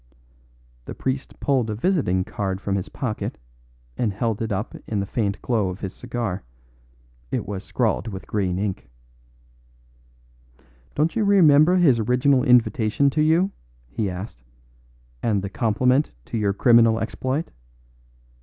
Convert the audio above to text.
The priest pulled a visiting card from his pocket and held it up in the faint glow of his cigar; it was scrawled with green ink. "Don't you remember his original invitation to you?" he asked, "and the compliment to your criminal exploit?